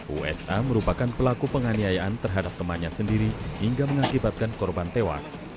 usa merupakan pelaku penganiayaan terhadap temannya sendiri hingga mengakibatkan korban tewas